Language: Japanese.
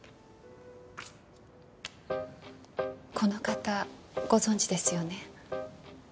この方ご存じですよね？